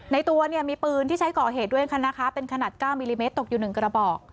ตัวเนี่ยมีปืนที่ใช้ก่อเหตุด้วยค่ะนะคะเป็นขนาด๙มิลลิเมตรตกอยู่๑กระบอก